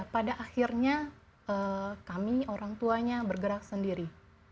pada akhirnya kami orang tuanya bergerak sendiri